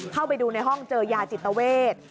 เข้าไปดูในห้องเจอยาจิตเวท